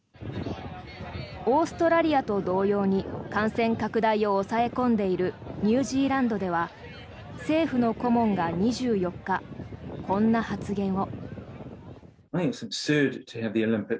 オーストラリアと同様に感染拡大を抑え込んでいるニュージーランドでは政府の顧問が２４日こんな発言を。